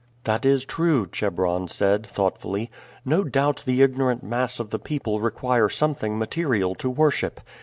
"That is true," Chebron said thoughtfully. "No doubt the ignorant mass of the people require something material to worship.